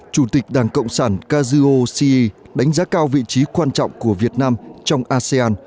chủ tịch đảng cộng sản kazuo sii đánh giá cao vị trí quan trọng của việt nam trong asean